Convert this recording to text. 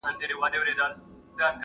هر شعر ځانګړی پیغام لري.